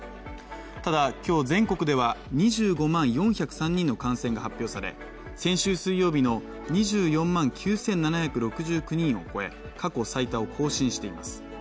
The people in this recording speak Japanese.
ただ、今日全国では２５万４０３人の感染が発表され先週水曜日の２４万９７６９人を超え、過去最多を更新しています。